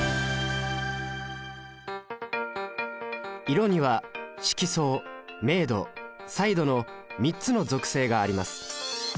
色には色相明度彩度の３つの属性があります。